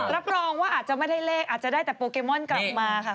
รับรองว่าอาจจะไม่ได้เลขอาจจะได้แต่โปเกมอนกลับมาค่ะ